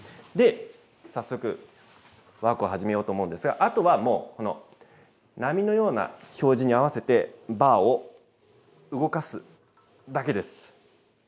で、早速、ワークを始めようと思うんですが、あとはもう、この波のような表示に合わせて、バーを動かすだけです。